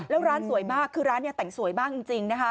แล้วร้านสวยมากคือร้านแต่งสวยมากจริง